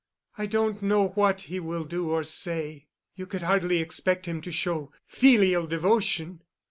I don't know what he will do or say. You could hardly expect him to show filial devotion.